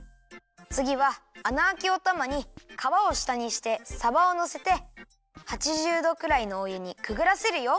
つぎはあなあきおたまにかわをしたにしてさばをのせて８０どくらいのおゆにくぐらせるよ。